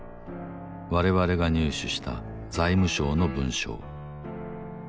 我々が入手した財務省の文書。